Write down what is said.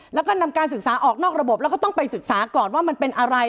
แล้วก็นำการศึกษาออกนอกระบบแล้วก็ต้องไปศึกษาก่อนว่ามันเป็นอะไร